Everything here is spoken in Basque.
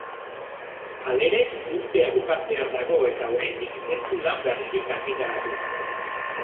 Halere, urtea bukatzear dago eta oraindik ez du lan berririk argitaratu.